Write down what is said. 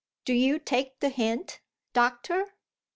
Do you take the hint, doctor?